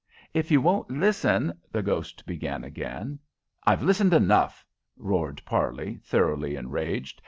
"If you won't listen " the ghost began again. "I've listened enough!" roared Parley, thoroughly enraged.